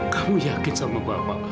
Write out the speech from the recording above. kamu yakin sama bapak